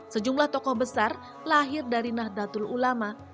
sejumlah tokoh besar lahir dari nahdlatul ulama